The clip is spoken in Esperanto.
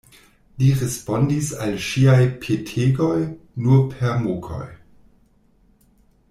Li respondis al ŝiaj petegoj nur per mokoj.